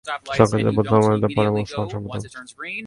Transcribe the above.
সংখ্যার দিক থেকে বৌদ্ধ ধর্মাবলম্বীদের পরেই মুসলমান সম্প্রদায়ের অবস্থান।